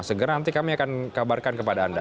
segera nanti kami akan kabarkan kepada anda